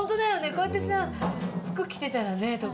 こうやってさ服着てたらね徳さん。